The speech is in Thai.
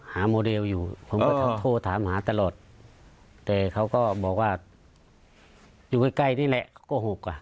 โมเดลอยู่ผมก็โทรถามหาตลอดแต่เขาก็บอกว่าอยู่ใกล้นี่แหละโกหกอ่ะ